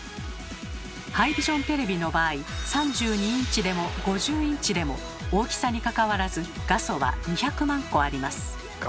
ハイビジョンテレビの場合３２インチでも５０インチでも大きさにかかわらず画素は２００万個あります。